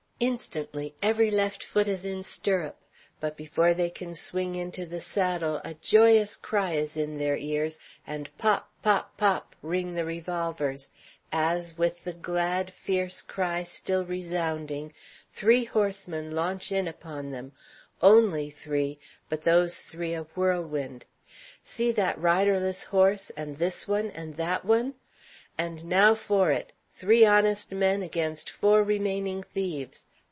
Instantly every left foot is in stirrup; but before they can swing into the saddle a joyous cry is in their ears, and pop! pop! pop! pop! ring the revolvers as, with the glad, fierce cry still resounding, three horsemen launch in upon them only three, but those three a whirlwind. See that riderless horse, and this one, and that one! And now for it three honest men against four remaining thieves!